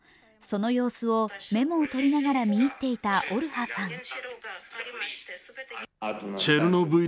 その様子をメモを取りながら見入っていたオルハさん。